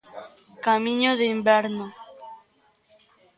Camiño de inverno.